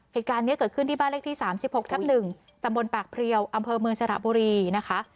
เหตุการณ์นี้เกิดขึ้นที่บ้านเลขที่๓๖ทับ๑ตำบลปากเพลียวอำเภอเมืองสระบุรีนะคะ